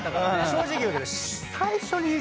正直言うけど。